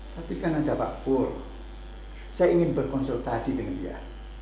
tapi karena jawab kur saya ingin berkonsultasi dengan dia